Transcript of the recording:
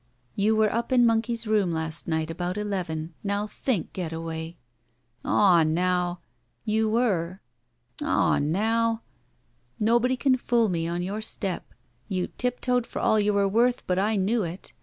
"You were up in Monkey's room last night about eleven. Now think. Getaway!" "Aw now —" "You were." "Aw now —" "Nobody can fool me on your step. You tiptoed for all you were worth, but I knew it!